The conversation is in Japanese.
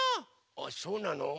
あそうなの？